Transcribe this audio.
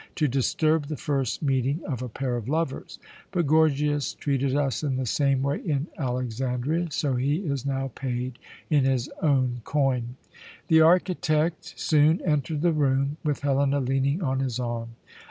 To disturb the first meeting of a pair of lovers! But Gorgias treated us in the same way in Alexandria, so he is now paid in his own coin." The architect soon entered the room, with Helena leaning on his arm.